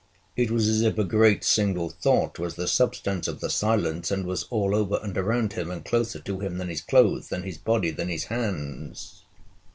It was as if a great single thought was the substance of the silence, and was all over and around him, and closer to him than his clothes, than his body, than his hands.